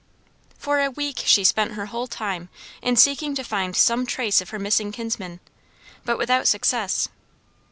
For a week she spent her whole time in seeking to find some trace of her missing kinsmen, but without success.